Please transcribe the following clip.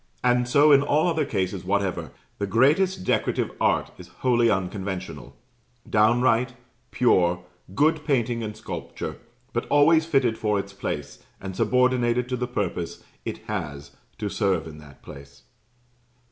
And so in all other cases whatever, the greatest decorative art is wholly unconventional downright, pure, good painting and sculpture, but always fitted for its place; and subordinated to the purpose it has to serve in that place.